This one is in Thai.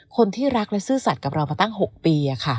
คนที่รักและซื่อสัตว์กับเรามาตั้ง๖ปี